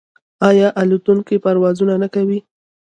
آیا الوتکې پروازونه نه کوي؟